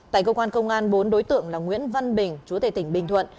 tại công an công an bốn đối tượng là nguyễn văn bình chúa tể tỉnh bình thuận